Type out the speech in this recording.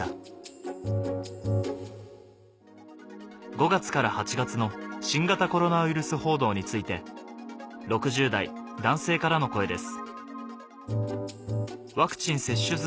５月から８月の新型コロナウイルス報道について６０代男性からの声です